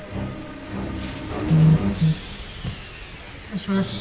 もしもし。